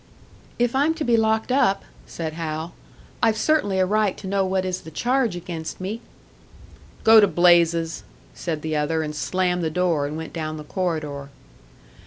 "If I'm to be locked up," said Hal, "I've certainly a right to know what is the charge against me." "Go to blazes!" said the other, and slammed the door and went down the corridor.